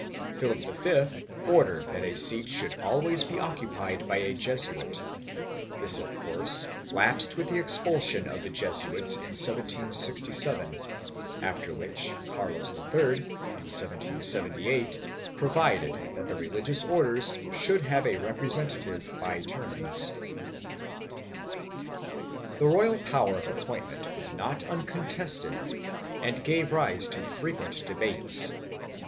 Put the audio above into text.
3 Philip V ordered that a seat should always be occupied by a Jesuit; this of course lapsed with the expulsion of the Jesuits in 1767, after which Carlos III, in 1778, provided that the Religious Orders should have a representative by turns.4 The royal power of appointment was not uncontested and gave rise to frequent debates.